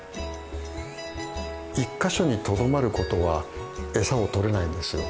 一か所にとどまることは餌を取れないんですよ。